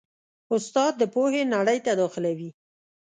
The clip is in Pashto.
استاد د پوهې نړۍ ته داخلوي.